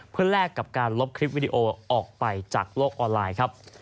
เพื่อแลกกับการลบคลิปวิดีโอออกไปจากโลกออนไลน์ครับ